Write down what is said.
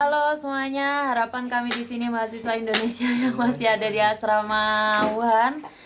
halo semuanya harapan kami di sini mahasiswa indonesia yang masih ada di asrama wuhan